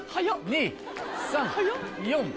２・３・４・５。